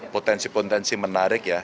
potensi potensi menarik ya